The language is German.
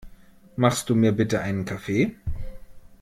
Machst du mir bitte einen Kaffee?